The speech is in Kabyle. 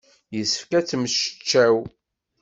Yessefk ad temmecčaw.